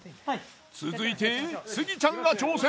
続いてスギちゃんが挑戦。